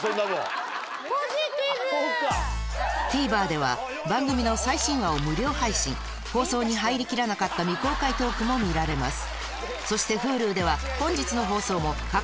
ＴＶｅｒでは番組の最新話を無料配信放送に入りきらなかった未公開トークも見られます